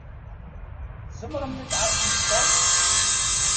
Tzemṛemt ad tɛassemt Tom?